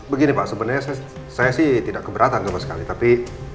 begini pak sebenarnya saya sih tidak keberatan sama sekali tapi